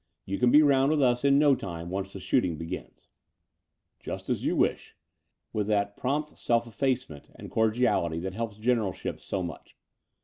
You can be rotmd with us in no time, once the shooting begins." Just as you wish," he acquiesced, with that prompt self effacement and cordiality that helps generalship so much.